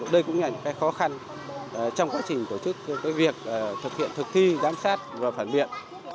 đây cũng là một cái khó khăn trong quá trình tổ chức cái việc thực hiện thực thi giám sát và phản biện